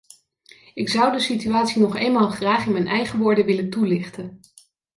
Ik zou de situatie nog eenmaal graag in mijn eigen woorden willen toelichten.